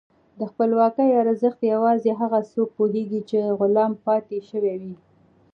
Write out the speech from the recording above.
د خپلواکۍ ارزښت یوازې هغه څوک پوهېږي چې غلام پاتې شوي وي.